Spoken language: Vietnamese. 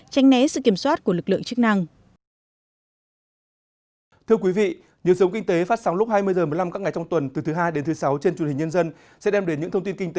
tránh né sự kiểm soát của lực lượng chức năng